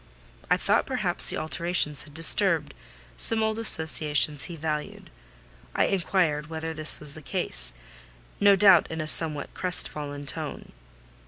I thought perhaps the alterations had disturbed some old associations he valued. I inquired whether this was the case: no doubt in a somewhat crest fallen tone.